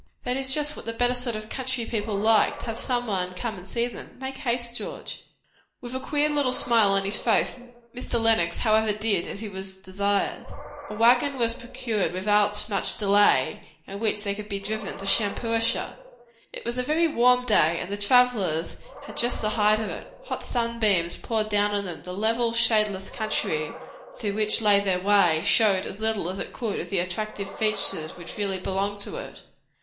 That is just what the better sort of country people like, to have somebody come and see them. Make haste, George." With a queer little smile on his face, Mr. Lenox however did as he was desired. A waggon was procured without very much delay, in which they could be driven to Shampuashuh. It was a very warm day, and the travellers had just the height of it. Hot sunbeams poured down upon them; the level, shadeless country through which lay their way, showed as little as it could of the attractive features which really belonged to it.